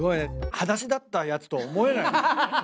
はだしだったやつとは思えない。